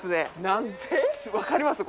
何で？